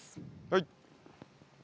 はい。